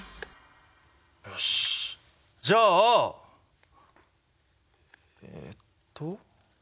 よしじゃあえっと。